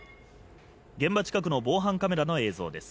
現場近くの防犯カメラの映像です。